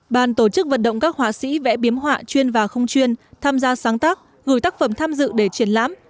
bàn tổ chức vận động các họa sĩ vẽ biếm họa chuyên và không chuyên tham gia sáng tác gửi tác phẩm tham dự để triển lãm